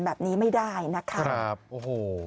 แบบนี้ไม่ได้นะคะครับโอ้โห